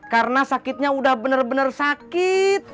karena sakitnya udah bener bener sakit